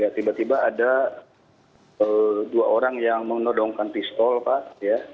tiba tiba ada dua orang yang menodongkan pistol pak ya